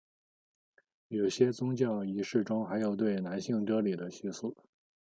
有些宗教仪式中还有对男性割礼的习俗。